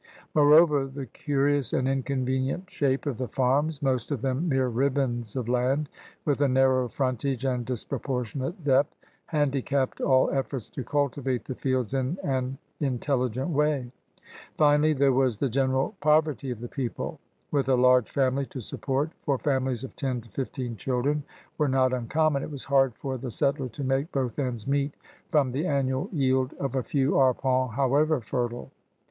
Moreover, the curious and inconvenient shape of the farms, most of them mere ribbons of land, with a narrow frontage and disproportionate dq>th, handicapped all efforts to cultivate the fields in an intelligent way. Finally, there was the general poyerty of the people. With a large family to support, for families of ten to fifteen children were not unconmion, it was hard for the settler to make both ends meet from the annual yield of a few arpents, however fertile.